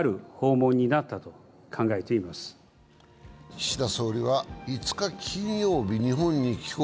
岸田総理は５日金曜日、日本に帰国。